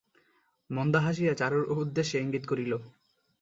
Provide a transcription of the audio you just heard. মন্দা হাসিয়া চারুর উদ্দেশে ইঙ্গিত করিল।